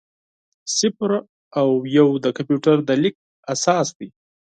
صفر او یو د کمپیوټر د لیک اساس دی.